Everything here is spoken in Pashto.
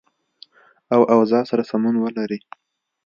او اوضاع سره سمون ولري